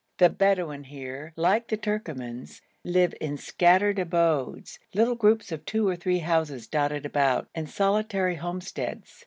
The Bedouin here, like the Turkomans, live in scattered abodes, little groups of two or three houses dotted about, and solitary homesteads.